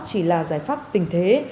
chỉ là giải pháp tình thế